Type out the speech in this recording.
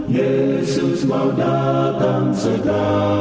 yesus mau datang segera